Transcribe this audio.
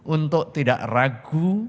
untuk tidak ragu